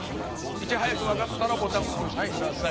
いち早く分かったらボタンを押して下さい。